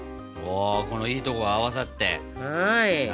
おおこのいいとこが合わさって。